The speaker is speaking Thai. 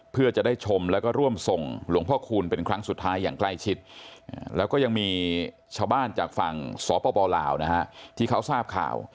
เพื่อจะได้ชมแล้วก็ร่วมส่งหลวงพ่อคูณเป็นครั้งสุดท้ายอย่างใกล้ชิดแล้วก็ยังมีชาวบ้านจากฝั่งสปลาวนะฮะที่เขาทราบข่าว